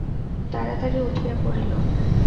তাড়াতাড়ি উঠিয়া পড়িল।